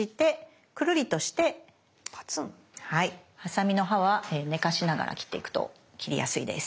はいハサミの刃は寝かしながら切っていくと切りやすいです。